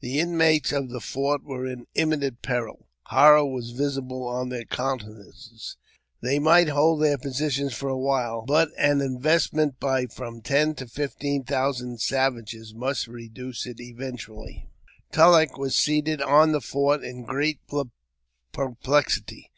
The inmates of the fort wer( in imminent peril ; horror was visible on their countenances They might hold their position for e, while, but an investmeni kill I ], in' I JAMES P. BECKWOVBTH. 326 from ten to fifteen thousand savages must reduce it eventu ully. TuUeck was seated on the fort in great perplexity.